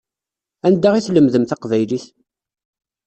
Anda i tlemdem taqbaylit?